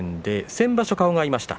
先場所、顔が合いました。